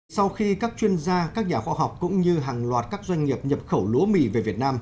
sau khi các chuyên gia các nhà khoa học cũng như hàng loạt các doanh nghiệp nhập khẩu lúa mì về việt nam